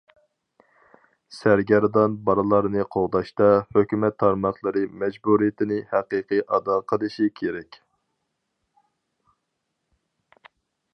سەرگەردان بالىلارنى قوغداشتا، ھۆكۈمەت تارماقلىرى مەجبۇرىيىتىنى ھەقىقىي ئادا قىلىشى كېرەك.